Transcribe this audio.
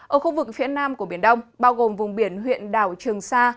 ở khu vực phía nam của biển đông bao gồm vùng biển huyện đảo trường sa